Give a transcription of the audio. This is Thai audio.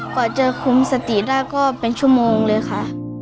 กว่าจะคุมสติได้ก็เป็นชั่วโมงเลยค่ะ